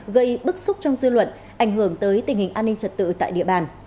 gây bức xúc trong dư luận ảnh hưởng tới tình hình an ninh trật tự tại địa bàn